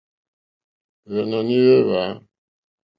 Hwènɔ̀ní hwé hwǎ.